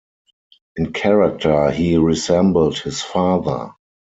In character he resembled his father.